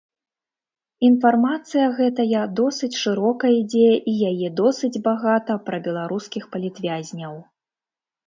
Інфармацыя гэтая досыць шырока ідзе і яе досыць багата пра беларускіх палітвязняў.